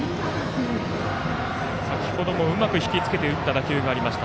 先ほどもうまく引きつけて打った打球がありました。